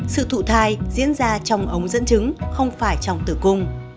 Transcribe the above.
sự thụ thai diễn ra trong ống dẫn chứng không phải trong tử cung